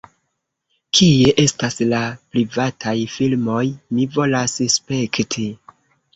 Kie estas la privataj filmoj? Mi volas spekti